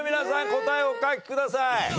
答えをお書きください。